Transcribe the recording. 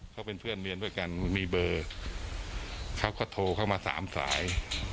เขาเป็นเพื่อนเมียนด้วยกันมีเบอร์เขาก็โทรเข้ามาสามสาย